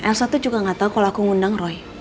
elsa tuh juga gak tau kalau aku ngundang roy